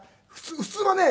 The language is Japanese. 普通はね